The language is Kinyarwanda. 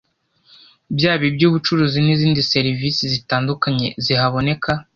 byaba iby’ubucuruzi n’izindi servise zitandukanye zihaboneka